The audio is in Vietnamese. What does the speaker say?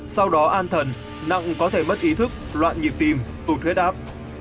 sau đó an thần nặng có thể mất ý thức loạn nhịp tim tụt huyết áp